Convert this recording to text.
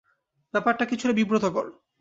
ব্যাপারটা কিছুটা বিব্রতকর।